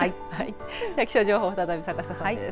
気象情報、再び坂下さんです。